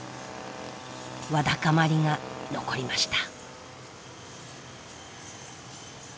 わだかまりが残りました。